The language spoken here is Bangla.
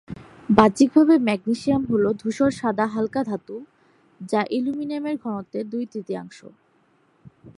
বাহ্যিকভাবে ম্যাগনেসিয়াম হলো ধূসর-সাদা হাল্কা ধাতু যা অ্যালুমিনিয়ামের ঘনত্বের দুই-তৃতীয়াংশ।